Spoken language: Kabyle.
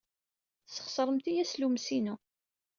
Tesxeṣremt-iyi aslummes-inu!